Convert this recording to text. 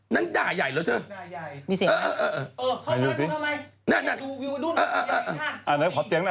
นั่นด่ายใหญ่หรอเถอะ